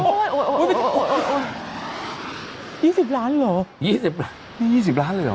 โอ้ยโอ้ยโอ้ยโอ้ยยี่สิบล้านเหรอยี่สิบนี่ยี่สิบล้านเลยเหรอ